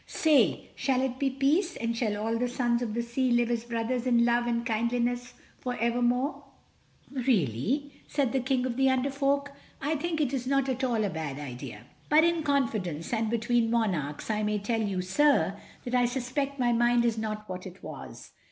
Say: Shall it be peace, and shall all the sons of the sea live as brothers in love and kindliness for evermore? "Really," said the King of the Under Folk, "I think it is not at all a bad idea—but in confidence, and between Monarchs, I may tell you, sir, that I suspect my mind is not what it was.